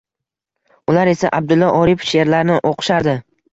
Ular esa Abdulla Oripov she’rlarini o‘qishardi.